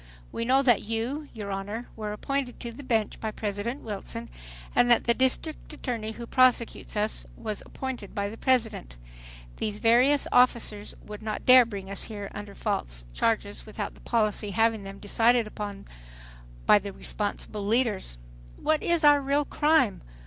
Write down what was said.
We know that you, your Honor, were appointed to the bench by President Wilson, and that the district attorney who prosecutes us was appointed by the President. These various officers would not dare bring us here under these false charges without the policy having been decided upon by the responsible leaders. "What is our real crime?